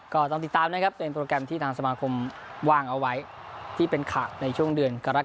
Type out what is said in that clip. ก็ต้องติดตามนะครับเป็นโปรแกรมที่ทางสมาคมว่างเอาไว้ที่เป็นข่าวในช่วงเดือนกรกฎ